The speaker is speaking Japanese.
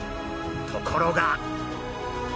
ところが。